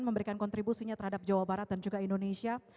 memberikan kontribusinya terhadap jawa barat dan juga indonesia